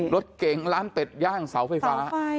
รถเก๋งร้านเป็ดย่างเสาไฟฟ้า